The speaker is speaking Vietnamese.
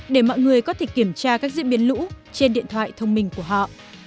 để mọi người có thể kiểm tra các diễn biến lũ trên điện thoại thông minh của họ